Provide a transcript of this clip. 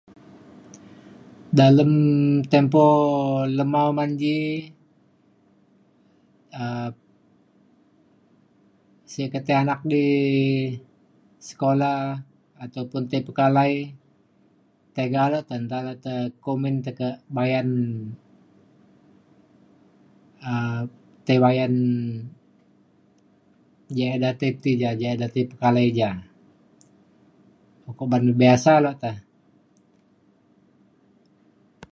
dalem tempoh lema uman ji um si ketei anak di sekula ataupun tei pekalai tiga lokte nta lokte kumbin tekak bayan um tei bayan je' eda tei ti ja ja ida tei pekalai ja. uko ba'an biasa lo ta